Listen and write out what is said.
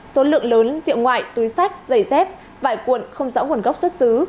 số lượng lớn diệu ngoại túi sách dây dép vải cuộn không rõ nguồn gốc xuất xứ